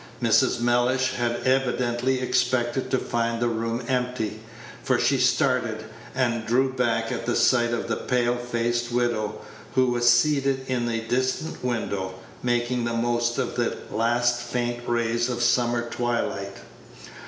Mrs. Mellish had evidently expected to find the room empty, for she started and drew back at the sight of the pale faced widow, who was seated in a distant window, making the most of the last faint rays of summer twilight.